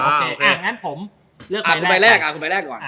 แล้วครูใบแรกก่อน